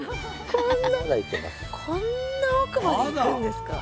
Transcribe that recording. こんな奥まで行くんですか？